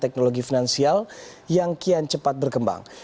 teknologi finansial yang kian cepat berkembang